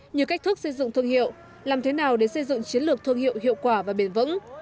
như cách thức xây dựng thương hiệu làm thế nào để xây dựng chiến lược thương hiệu hiệu quả và bền vững